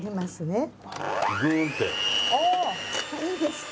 いいですか？